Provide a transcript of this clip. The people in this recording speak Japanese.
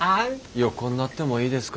横になってもいいですか。